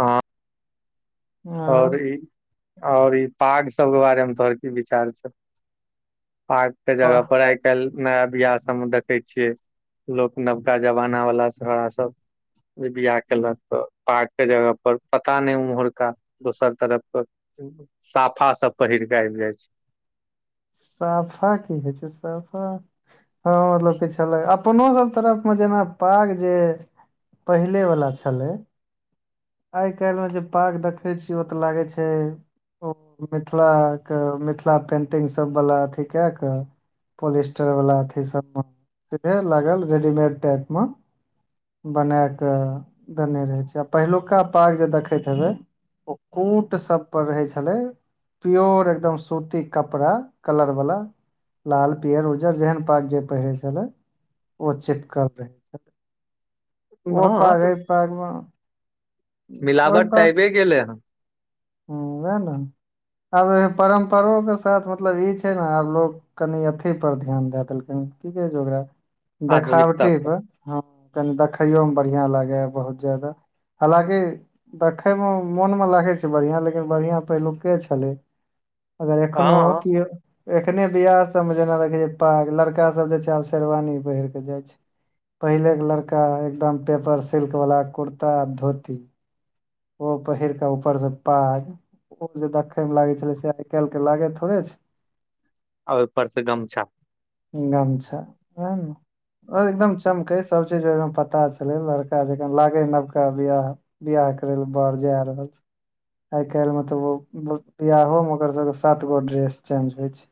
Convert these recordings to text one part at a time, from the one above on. हँ आओर ई आओर ई पाग सब के बारे मे तोहर की विचार छ पाग के जगह वाह पर आय आइ काल्हि नया बियाह सब मे देखे छियै लोक नवका जमाना वाला छोड़ा सब बियाह केलक पाग के जगह पर पता नहि उम्हर का दोसर तरफ कय साफा सब पहिर के आबि जाय छै साफा की होइ छै साफा हँ मतलब क छले अप कोनो सब तरफमे जेना पाग जे पहिलेबला छलै आइ काल्हिमे जे पाग देखै छियै ओ त लागै छै ओ मिथिलाके मिथिला पेंटिंग सबवला अथी कए कऽ पोलिस्टर वाला अथी सब मे से लागल रेडीमेड टाइप मे बना के देने रहे छै आ पहिलुक पका पाग जे देखैत हेबे ओ कूट सब पर रहै छले प्योर एकदम सूती कपड़ा कलर वाला लाल पीयर उज्जर जेहन पाग जे पहिरे छले ओ चिपकल रहै ओ हँ पाग ऐ तऽ पागमे ओ त मिलावट तऽ आबे गेलै हन हँ वएह ना आब परम्परो के साथ मतलब ई छै ने आब लोको कनि अथी पर ध्यान दए देलखिन की कहे छै ओकरा देखावटी पर हँ कनी देखैयो मे बढ़िया लागेए बहुत ज्यादा हँलाकि देखे मे मोन मे लागे छै बढ़िया लेकिन बढ़िया पहिलुके छलै अगर हँ एखनो कीयो एखने वियाह सभमे जेना देखै छिय पाग लड़कासभ जे छै आब शेरवानी पहिर कऽ जाय छै पहिलेके लड़का एकदम पेपर सिल्क वाला कुर्ता आ धोती ओ पहिर कऽ ऊपर से पाग ओ जे देखय मे लागै छलै से आय काल्हि के लागे थोड़े छै आ उपरसँ गमछा गमछा ए एकदम चमकै सब चीज ओहिमें पता छले लड़का जकाँ लागे नवका बियाह बियाह करै ल बर जा रहल छै आइ काल्हि में तऽ ओ बियाहो में ओकर सबके सात गो ड्रेस चेंज होय छै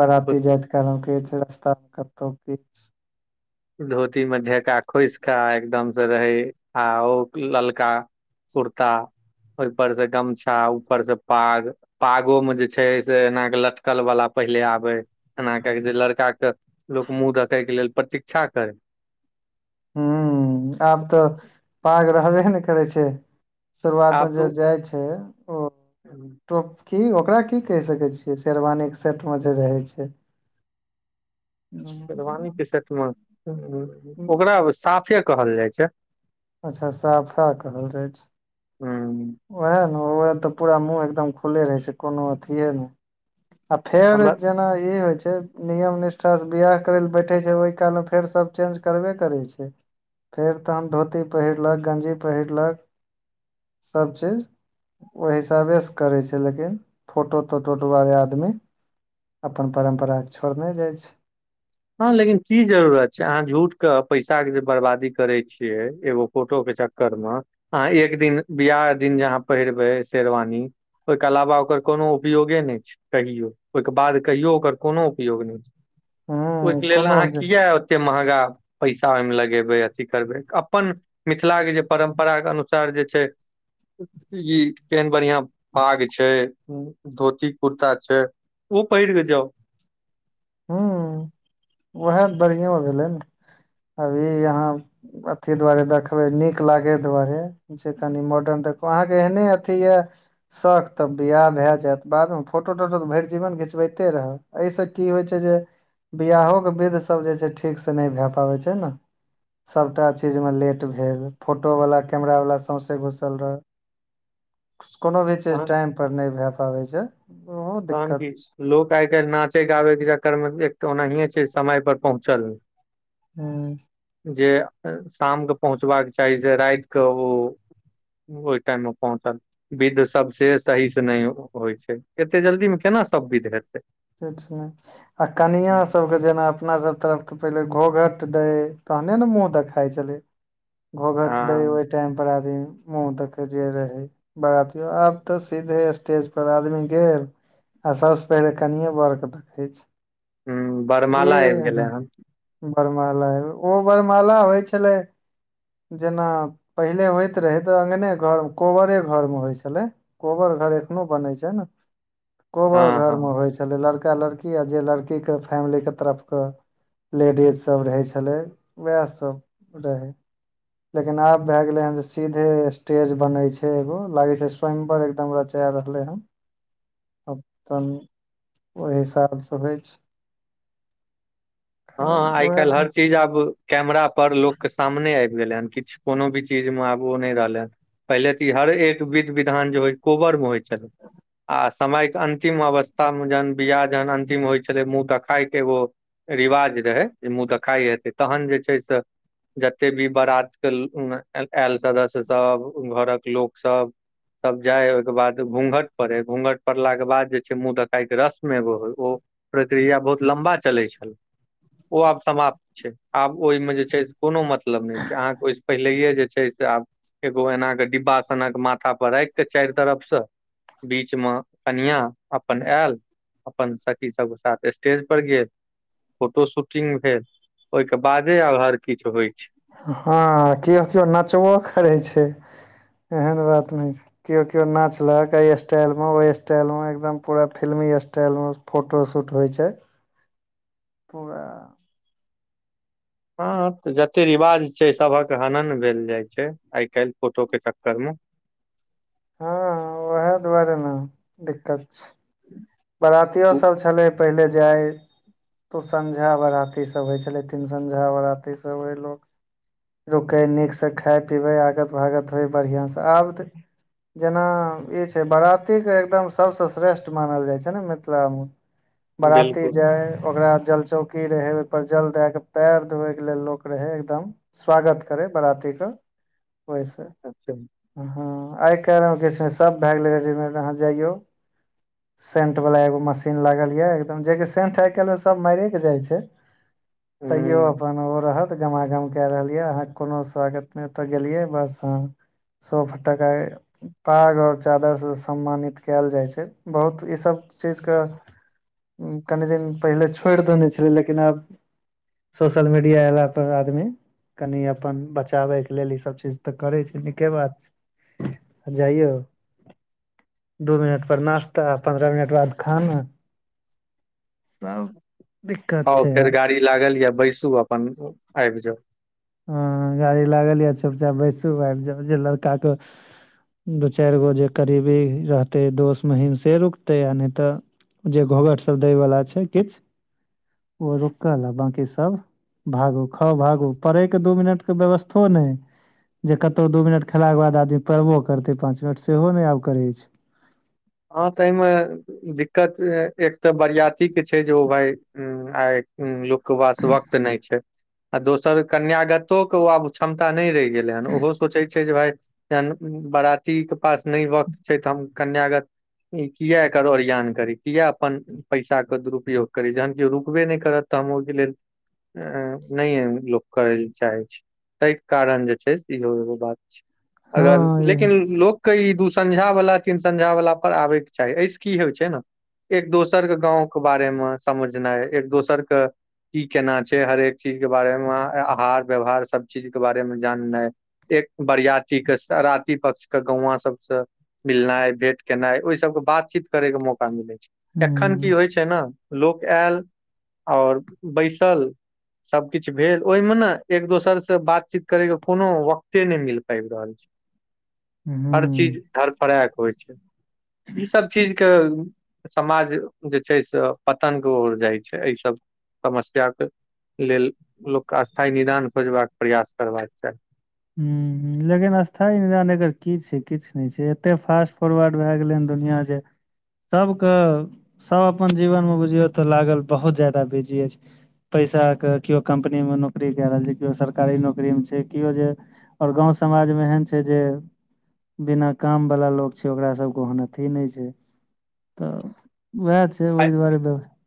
बाराती जायत काल ओ कि रस्ता कतो धोती मे ढका खोसिकऽ एकदम से रहै आ ओ ललका कुर्ता ओहिपर से गमछा ऊपर से पाग पागो मे जे छै से एना क लटकल वाला पहिले आबै एना क जे लड़काे लोक मुँह देखय के लेल प्रतीक्षा करै ह आब तऽ पाग रहबे नहि करै छै शुरुआतमे जे जाइ छै ओ ह ओ की ओकरा की कहि सकै छियै शेरवानी के सेट में जे रहै छै शेरवानीके सेटमे हूँ। ओकरा साफे कहल जाइ छै अच्छा साफा कहल जाइ छै हम्म ओएह ने ओह तऽ पूरा मुँह एकदम खुलले रहै छै कोनो अथिए नहि आ फेर हमरा जेना ई होइ छै नियम निष्ठासँ बिआाह करय लए बैठै छै ओहि कालमे फेर सभ चेंज करबे करै छै फेर तहन धोती पहिरलक गञ्जी पहिरलक सबचीज ओ हिसाबेसँ करै छै लेकिन फोटो तोटो दुआरे आदमी अपन परम्पराके छोड़ने जाइ छै हँ लेकिन की जरूरत छै अहाँ झूठ के पैसा के जे बर्बादी करे छियै एगो फोटो के करमे अहाँ एक दिन बियाह दिन जे अहाँ पहिरबै शेरवानी ओहिके अलावा ओकर कोनो उपयोगे नहि छै कहियो ओहिके बाद कहियो ओकर कोनो उपयोग नहि छै ओहिके हूँ लेल कोनो अहाँ जे किए ओते महंगा पैसा ओहिमे लगेबै अथी करबै अपन मिथिलाके जे परम्पराके अनुसार जे छै ई केहन बढ़िया पाग छै धोती कुर्ता छै उ पहिरिक जाउ ह उएह बढ़ियों भेलै ने अभी यहाँ अथी दुआरे देखबै नीक लागय दुआरे जे कनि मॉडर्न देखू अहाँके एहने अथी यए शौक तब बिआह भए जायत बादमे फोटो तोटो तऽ भरि जीवन घिचबैते रहऽ एहिसँ की होइ छै जे बियाहोके वेद सभ जे छै ठीकसँ नहि भए पाबै छै ने सबटा चीजमे लेट भेल फोटोवला कैमरावला सौँसे घुसल रहऽ कोनो भी चीज तहन टाइम पर नहि भए पाबै छै ओहो तहन दिक्कत की लोक आइ काल्हि नाचे गाबै के चक्कर मे ओनाहिे छै समय पर पहुँचल हूँ जे शामके पहुँचबाक चाही से राति क ओ ओहि टाइम मे पहुँचल विध सब से सही से नहि होइ छै एते जल्दी मे केना सब विध हैते कनिया सब के जेना अपना सब तरफ त पहिले घोघट देै तहने ने मुँह देखाई छलै घोघट दै ओहि हँ टाइमपर आदमी मुँह देखैत जे रहे बरातियो आब तऽ सीधे स्टेज पर आदमी गेल आ सभसँ पहिले कनिए बरके देखै ह छै बरमाला आबि गेलै एह हन बरमाला मे ओ बरमाला होइ छलै जेना पहिले होइत रहै तऽ अंगने घरमे कोहबरे घरमे होइ छलै कोहबर घर एखनो बनै छै ने हँ कोहबर हँ घर मे होइ छै छलै लड़का लड़की आ जे लड़कीके फैमिलीके तरफके लेडीज सभ रहै छलै वएह सभ रहै लेकिन आब भए गेले हन जे सीधे स्टेज बने छै एगो लागे छै स्वयंवर एकदम रचा रहलै हन [inaudible] अपन ओहि हिसाबसँ होइ छै हँ खैर आइ वैह काल्हि हर सब चीज आब कैमरा पर लोक के सामने आबि गेलै हन किछु कोनो भी चीज मे आब ओ नहि रहलै हन पहिले तऽ ई हर एक विध विधान जे हो कोबर मे होइ छलै आ समय के अंतिम अवस्था मे जहन बियाह जहन अंतिम होइ छलै मुँह देखाय के एगो रिवाज रहै जे मुँह देखाइ हेतै तहन जे छै से जते भी बरातके आयल सदस्य सब घरक लोकसभ तब जाय ओहिके बाद घूँघट पड़े घूँघट पड़लाके बाद जे छै मुँह देखाइ के रस्म एगो होय ओ प्रक्रिया बहुत लम्बा चलै छल ओ आब समाप्त छै आब ओहिमे जे छै कोनो मतलब नहि छै अहाँके ओहिसँ पहिले जे छै से आब एगो एना के डिब्बा सनक माथा पर राख के चारि तरफ से बीच मे कनियाँ अपन एल अपन सखी सबके साथ स्टेज पर गेल फोटो शूटिंग भेल ओहिके बादे आब हर किछु होइ छै हँ केओ केओ नचबो करै छै एहन बात नहि छै केओ केओ नचलक एहि स्टाइलमे ओहि स्टाइलमे एकदम पूरा फिल्मी स्टाइलमे फोटो शूट होइ छै [inaudible] पूरा हँ तऽ जते रिवाज छै सबहक हनन भेल जाय छै आइ काल्हि फोटो के चक्कर मे हँ उएह दुआरे ने दिक्कत छै बरातियो सभ छलैय पहिले जाय दू संझा बराती सभ होइ छलै तीन सँझा बारती सभ रहय लोक रुकै नीकसँ खाय पीबै आगत भागत होय बढ़ियाँसँ आब तऽ जेना ई छै बरातीके एकदम सभसँ श्रेष्ठ मानल जाइ छै ने मिथिलामे बराती बिलकुल जाय ओकरा जल चौक की रहै ओहिपर जल दए कऽ पैर धोवै के लेल लोक रहै एकदम स्वागत करै बराती सब ओहिसँ अच्छा हँ आइ काल्हिमे कि छै सभ भए गेलै रडीमेड अहाँ जइयौ सेंट वाला एगो मशीन लागल ये एकदम जे के सेंट आय काल्हि मे सब माइरे के जाय छै [inaudible] तैयो ह अपन ओ रहत गमागम कए रहलियै अहाँ कोनो स्वागत नहितऽ गेलियै बस हँ सो फटाका पाग आओर चादरसँ सम्मानित कयल जाइ छै बहुत इसभ चीजके कनि दिन पहिले छोड़ि देने छलै लेकिन आब सोशल मीडिया एला पर आदमी कनि अपन बचाबै के लेल ई सब चीज तऽ करै छै नीके बात [unintelligible] जइयौ दू मिनट पर नास्ता पन्द्रह मिनट बाद खाना तब आउ फेर गाड़ी लागल या बैसू अपन आबि जाउ हँ गाड़ी लागल यए चुपचाप बैसू आबि जाउ जे लड़काके दू चारि गो जे करीबी रहतै दोस महीमसे रुकतै आ नहि तऽ जे घोघट सब दै वाला छै किछु ओ रुकल आ बाकी सब भागू खाउ भागू पड़ैके दू मिनटके व्यबस्थो नहि जे कतौ दू मिनट खेला के बाद आदमी पड़बो करते पांच मिनट सेहो ने आब करे छै हँ सहिमे दिक्कत एक तऽ बरियातीक के छै जे ओ भाय आ के बास वक्त न छै आ दोसर कन्यागतो के ओ आब क्षमता नहि रहै छै गेलै हन ओहो सोचै छै जे भाय जन बरातीके पास नहि वक्त छै तऽ हम कन्यागत ई किया एकर ओरियान करी किया अपन पैसा के दुरूपयोग करी जखन रुकबे नहि करत तऽ हम ओहिके लेल नहि लोक करै ल चाहै छै ताहि कारण जे छै से इहो एगो बात छै अगर लेकिन हँ लोकके ई दू संझा बाला तीन संझा बाला ओकर आबैके चाही एहिस की होइ छै ने एक दोसर के गाँंव के बारेमे समझनाइ एक दोसर के ई केना छै हरेक चीज के बारे मे आहार व्यवहार सब चीज के बारे मे जाननाय एक बरियाती के सराती पक्ष के गौवा सब से मिलनाय भेंट केनाइ ओहि सभके बातचीत करयके मौका मिलै ह छै एखन की होइ छै ने लोक आयल आओर बैसल सब किछु भेल ओहिमे ने एक दोसर से बातचीत करे के कोनो वक्ते नहि मिल पाबि रहल छै [unintelligible] हू हर चीज धरफाड़य के होइ छै ई सब चीज समाज जे छै से पतन क ओर जाइ छै एहि सब समस्याके लेल लोकके स्थायी निदान खोजबाक प्रयास करबाक चाही हूँ लेकिन स्थायी निदान एकर की छै किछु नहि छै एते फास्ट फोरवार्ड भए गेलै हन दुनिया जे सबके सब अपन जीवन मे बुझियो तऽ लागल बहुत ज्यादा बिजी अछि पैसा के केओ कम्पनी में नौकरी के रहल छै केओ सरकारी नौकरी मे छै केओ जे आओर गाँंव समाज मे एहन छै जे बिना कामवला लोक छै ओकरास सभके ओहन अथि नहि छै तऽ उएह छै आइ ओहि दुआरे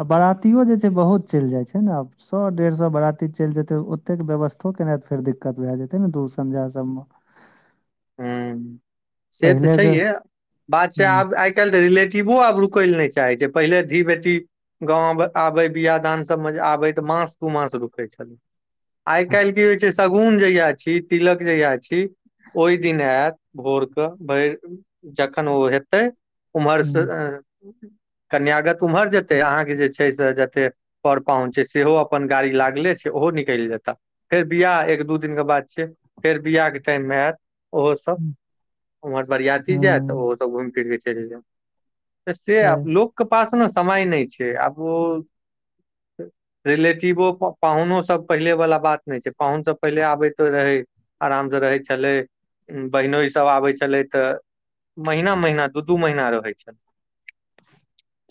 आ बारातियो जे छै बहुत चलि जाइत छै ने आब सए डेढ़ सए बारती चलि जेते ओते के व्यवथो केनाय त फेर दिक्कत भय जेते दु संझा हूँ से तऽ पहिले के छैहे बात छै ह आब आ आइ काल्हि तऽ रिलेटिवो आ रूकै ल नहि चाहै छै पहिले धी बेटी गाँव आबे बियाह दान सबमे जे आबै तऽ मास दु मास रुकै छलै आय ह काल्हि की छै सगुन जहिया छी तिलक जहिया छी ओहि दिन आयत भोर भरि जखन ओ हेतै उमहरसँ कन्यागत उम्हर जेतै अहाँके जे छै से जते पर पाहून छै सेहो अपन गाड़ी लागले छै ओहो निकलि जेता फेर बियाह एक दू दिनक के बाद से फेर बियाह के टाइम मे आयत ओहोसे उम्हर बरियातती जायत तऽ ओहो ह सब घूमि फिर के चलि जायब तऽ से सही आब लोक पास न समय नहि छै आबो ओ रिलेटिवो पाहुनो सब पहिले वालला बात नहि छै पाहुन सब पहिले आबैत रहै आराम से रहै छलै बहिनो सब आबै छलै तऽ महीना महिना दू दू महीना रहै छलेय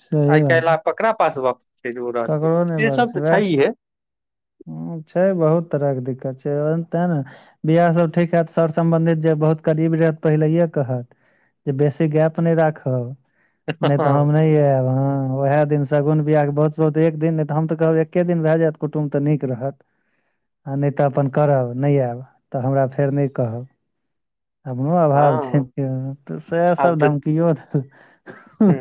सही आइ बात काल्हि छै आब ककरा पास वापस छै जे ओ रहत ककरो नहि से बात सब छै तऽ वएह छैहे हुँ छै बहुत तरहके दिक्कत छै ओन तें ने वियाहसभ ठीक हत सर सम्बन्धित जे बहुत करीब रह पहिलेे कहेय जे बेसी गैप नहि राखब नहि तऽ हम नहि आयब हँ उएह एक दिन शगुन बियाह बहुत बहुत एक दिन नहि तऽ हम तऽ कहब एक्के दिन भए जायत कुटुम्ब तऽ नीक रहत नहि तऽ अपन करब नहि आयब तऽ हमरा फेर नहि कहब हमरो अभाव छै हँ त सएह आब सभ तऽ धमकियो देलक हँ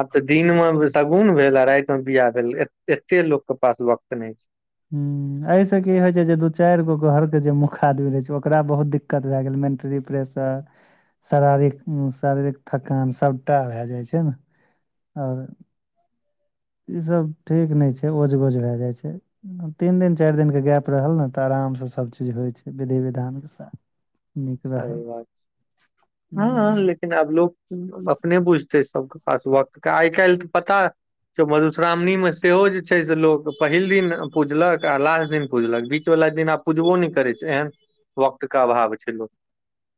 अप तऽ दिन मे शगुन भेल आ राति में बियाह भेल एते लोक के पास वक्त नहि छै हुँ एहिसँ की होइ छै जे दू चारि गो घरके जे मुख आदमी रहै छै ओकरा बहुत दिक्क दिक्कत भए गेल मेन्ट्ररी प्रेशसर शारीरिक शारीरिक थकान सभटा भए जाइ छै ने आओर ईसभ ठीक नहि छै ओझ गोज भए जाइ छै तीन दिन चारि दिनके गैप रहल ने तऽ आरामसँ सभचीज होइ छै विधि विधानके साथ नीक रहल सही बात हँ लेक हम्म, लेकिन आब लोक अपने बुझते सबके पास वक्त के आइ काल्हि के पता कियो मधुश्रावणी मे सेहो जे छै से लोग पहिल दिन पूजलक आ लास्ट दिन पूजलक बीच वालला दिन आब पुझबो नहि करै छै एहन वक्त के अभाव छै लोक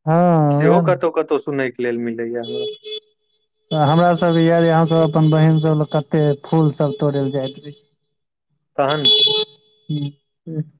हाँ सेहो कतहु कतहु सुनय के लेल मिलैया हमरा तऽ हमरा सबके य यहाँ सब अपन बहिन सब ल कते फूल सब तोड़य ल जाइत रहै तहन ह ह [inaudible]